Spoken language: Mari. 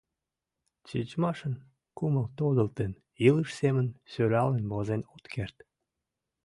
Тичмашын, кумыл тодылтын, илыш семын сӧралын возен от керт.